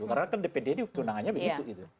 karena kan dpd kewenangannya begitu